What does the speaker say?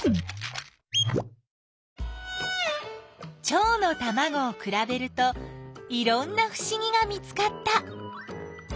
チョウのたまごをくらべるといろんなふしぎが見つかった。